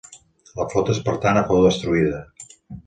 La flota espartana fou destruïda.